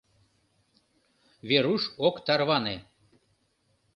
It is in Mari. Веруш ок тарване.